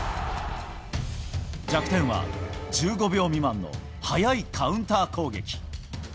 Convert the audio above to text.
弱点は１５秒未満の速いカウンター攻撃。